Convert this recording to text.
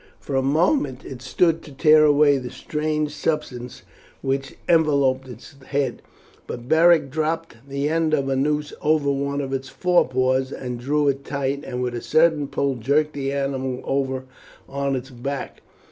For a moment it strove to tear away the strange substance which enveloped its head, but Beric dropped the end of a noose over one of its forepaws, drew it tight, and with a sudden pull jerked the animal over on its back.